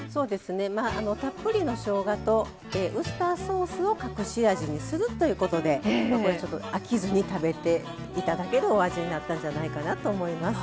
まあたっぷりのしょうがとウスターソースを隠し味にするということで飽きずに食べて頂けるお味になったんじゃないかなと思います。